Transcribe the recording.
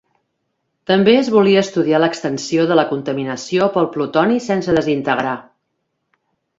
També es volia estudiar l'extensió de la contaminació pel plutoni sense desintegrar.